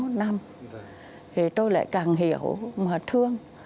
thì tôi lại càng hiểu mà thương